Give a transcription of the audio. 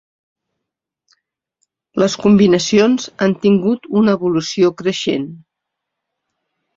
Les combinacions han tingut una evolució creixent.